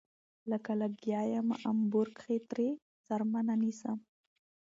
لکه لګيا يمه امبور کښې ترې څرمنه نيسم